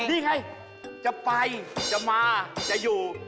วิทยาลัยจะไปจะมาจะอยู่